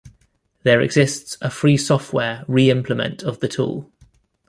There exists a free software re-implement of the tool.